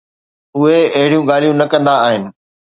اهي اهڙيون ڳالهيون نه ڪندا آهن